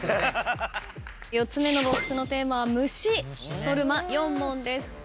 ４つ目のＢＯＸのテーマは「虫」ノルマ４問です。